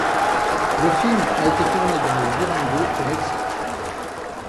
Le film a été tourné dans le Durango, au Mexique.